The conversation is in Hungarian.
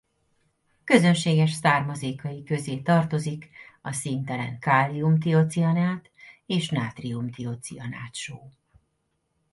Közönséges származékai közé tartozik a színtelen kálium-tiocianát és nátrium-tiocianát só.